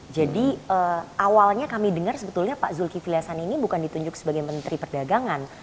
jadi awalnya kami dengar sebetulnya pak zulkifli hasan ini bukan ditunjuk sebagai menteri perdagangan